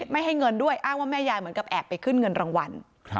ไม่ให้เงินด้วยอ้างว่าแม่ยายเหมือนกับแอบไปขึ้นเงินรางวัล